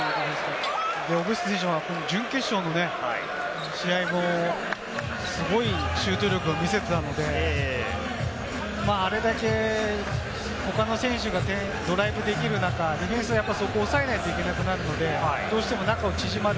オブスト自身は準決勝の試合後、すごいシュート力を見せたので、あれだけ、他の選手がドライブできる中、ディフェンスでそこを抑えないといけなくなるので、中が縮まる。